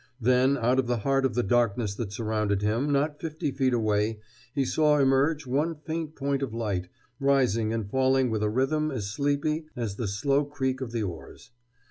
Then out of the heart of the darkness that surrounded him, not fifty feet away, he saw emerge one faint point of light, rising and falling with a rhythm as sleepy as the slow creak of the oars.